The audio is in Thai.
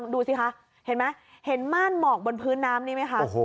ดูสิคะเห็นไหมเห็นม่านหมอกบนพื้นน้ำนี่ไหมคะ